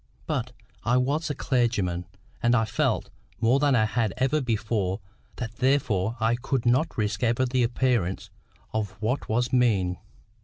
But I was a clergyman; and I felt, more than I had ever felt before, that therefore I could not risk ever the appearance of what was mean.